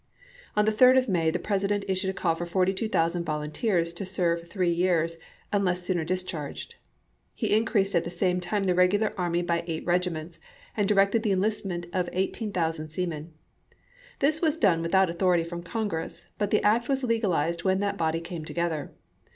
On the 3d of May, the President issued a call for 42,000 volunteers to serve three years, unless sooner discharged; he increased at Vol. VII.— 1 2 ABKAHAM LINCOLN chap. i. the same time the regular army by eight regiments, and directed the enlistment of 18,000 seamen. This was done without authority from Congress, but the act was legalized when that body came together.